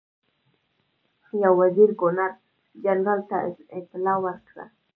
یو وزیر ګورنر جنرال ته اطلاع ورکړه.